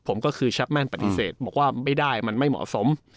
ผมก็คือชับแม่นปฏิเสธบอกว่าไม่ได้มันไม่เหมาะสม